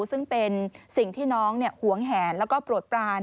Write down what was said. ซึ่งเป็นสิ่งที่น้องหวงแหนแล้วก็โปรดปราน